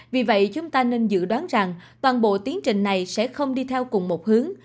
vì vậy chúng ta nên dự đoán rằng toàn bộ tiến trình này sẽ không đi theo cùng một hướng